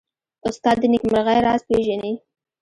استاد د نېکمرغۍ راز پېژني.